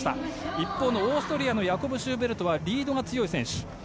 一方のオーストリアのヤコブ・シューベルトはリードが強い選手。